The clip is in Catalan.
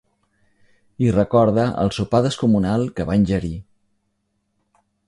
I recorda el sopar descomunal que va ingerir.